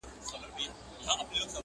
وايه څرنگه پرته وي پړسېدلې،